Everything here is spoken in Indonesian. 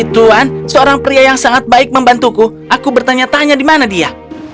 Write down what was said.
tuan seorang pria yang sangat baik membantuku aku bertanya tanya di mana dia